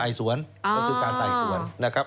สวนก็คือการไต่สวนนะครับ